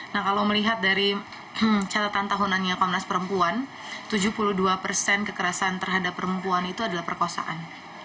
nah kalau melihat dari catatan tahunannya komnas perempuan tujuh puluh dua persen kekerasan terhadap perempuan itu adalah perkosaan